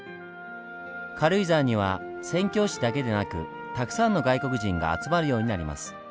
軽井沢には宣教師だけでなくたくさんの外国人が集まるようになります。